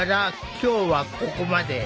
今日はここまで。